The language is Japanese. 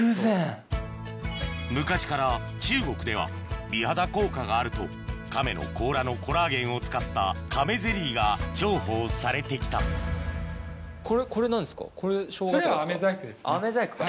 昔から中国では美肌効果があるとカメの甲羅のコラーゲンを使ったカメゼリーが重宝されて来たアメ細工か。